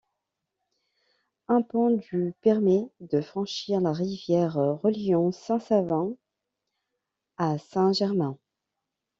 Un pont du permet de franchir la rivière, reliant Saint-Savin à Saint-Germain.